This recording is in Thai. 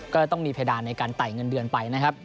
ก็ต้องมีเพดานในการไต่เงินเดือนไปนะครับ